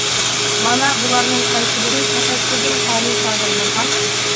مانا بۇلارنىڭ قايسىبىرى تەپەككۇردىن خالىي سادىر بولغان؟ !